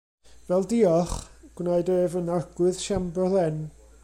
Fel diolch, gwnaed ef yn Arglwydd Siambrlen.